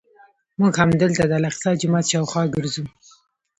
موږ همدلته د الاقصی جومات شاوخوا ګرځو.